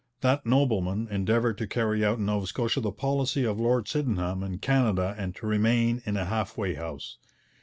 That nobleman endeavoured to carry out in Nova Scotia the policy of Lord Sydenham in Canada and to remain in a half way house.